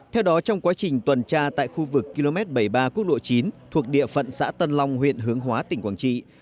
theo đó trong quá trình tuần tra tại khu vực km bảy mươi ba quốc lộ chín thuộc địa phận xã tân long huyện hướng hóa tỉnh quảng trị